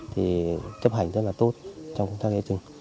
thì chấp hành rất là tốt trong công tác cháy rừng